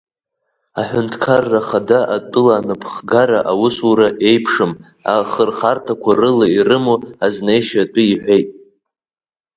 Аҳәынҭқарра Ахада атәыла анаԥхгара аусура еиуеиԥшым ахырхарҭақәа рыла ирымоу азнеишьа атәы иҳәеит.